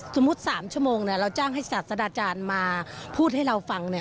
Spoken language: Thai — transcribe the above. สมมุติ๓ชั่วโมงเราจ้างให้ศาสดาจารย์มาพูดให้เราฟัง